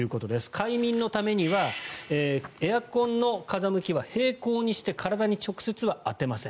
快眠のためにはエアコンの風向きは平行にして体に直接は当てません。